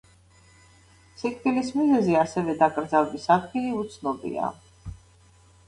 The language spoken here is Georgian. სიკვდილის მიზეზი, ასევე დაკრძალვის ადგილი უცნობია.